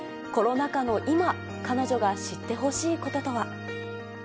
コロナ禍の今、彼女が知ってほしいこととは。